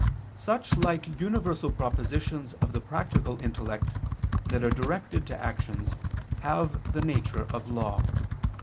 Such like universal propositions of the practical intellect that are directed to actions have the nature of law.